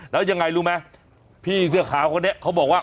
แล้วยังไงรู้ไหมพี่เสื้อขาวคนนี้เขาบอกว่า